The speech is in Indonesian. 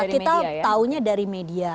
kita tahunya dari media